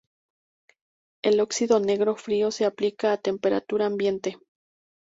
El óxido negro frío se aplica a temperatura ambiente.